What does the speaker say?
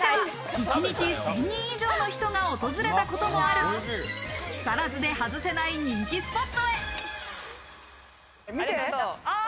一日１０００人以上の人が訪れたこともある木更津で外せない人気スポットへ。